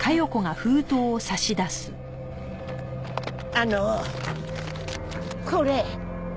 あのこれ。